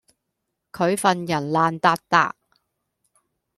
佢份人爛笪笪